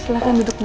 silahkan duduk bu